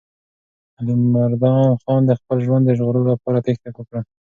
علیمردان خان د خپل ژوند د ژغورلو لپاره تېښته وکړه.